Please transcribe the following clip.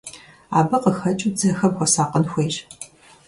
Абы къыхэкӀыу дзэхэм хуэсакъын хуейщ.